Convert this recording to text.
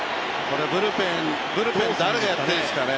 ブルペン、誰がやっているんですかね。